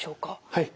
はい。